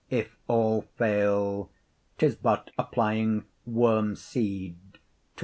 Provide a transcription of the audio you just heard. If all faile, 'Tis but applying worme seed to the Taile.